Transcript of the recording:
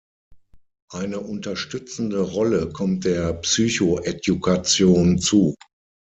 Eine unterstützende Rolle kommt der Psychoedukation zu.